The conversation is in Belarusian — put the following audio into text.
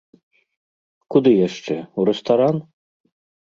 Куды яшчэ, у рэстаран?